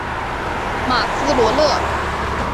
马兹罗勒。